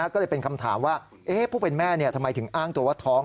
ก็เลยเป็นคำถามว่าผู้เป็นแม่ทำไมถึงอ้างตัวว่าท้อง